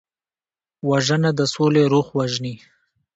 وژنه د سولې روح وژني